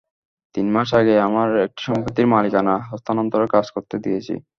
তিন মাস আগে আমার একটি সম্পত্তির মালিকানা হস্তান্তরের কাজ করতে দিয়েছি।